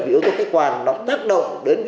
yếu tố khách quan nó tác động đến